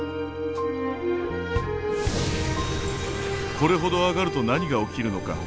これほど上がると何が起きるのか。